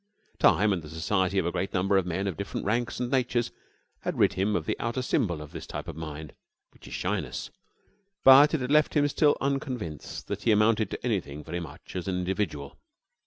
Time and the society of a great number of men of different ranks and natures had rid him of the outer symbol of this type of mind, which is shyness, but it had left him still unconvinced that he amounted to anything very much as an individual.